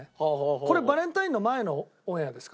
これバレンタインの前のオンエアですか？